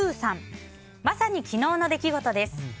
まさに、昨日の出来事です。